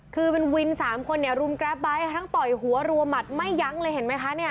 คือเป็นวิน๓คนเนี่ยรุมแกรปไบท์ทั้งต่อยหัวรัวหมัดไม่ยั้งเลยเห็นไหมคะเนี่ย